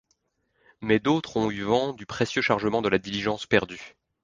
Mais d'autres ont eu vent du précieux chargement de la diligence perdue...